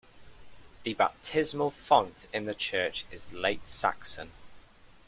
The baptismal font in the church is late Saxon.